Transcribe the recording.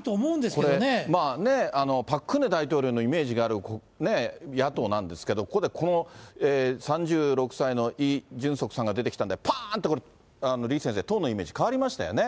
これ、パク・クネ大統領のイメージがある野党なんですけど、ここでこの３６歳のイ・ジュンソクさんが出てきたんで、ぱーんって、これ、李先生、党のイメージ変わりましたよね。